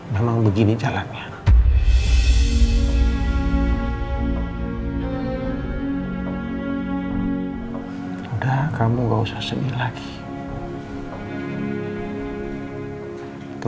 busur dua mengapa replikasi kita